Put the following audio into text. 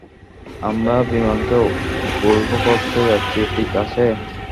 আমরা বিমানকে উল্টো করতে যাচ্ছি, ঠিক আছে?